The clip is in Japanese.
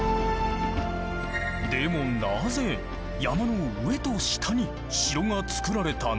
でもなぜ山の上と下に城がつくられたの？